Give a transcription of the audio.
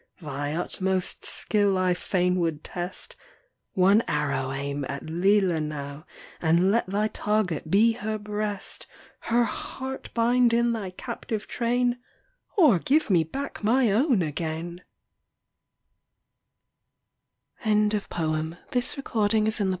Thy utmost skill I fain would test ; One arrow aim at Lelia now, And let thy target be her breast ! Her heart bind in thy captive train, Or give me back my own again 1 THE DREAM OF LOVE.